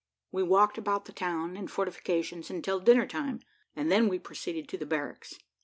We walked about the town and fortifications until dinner time, and then we proceeded to the barracks.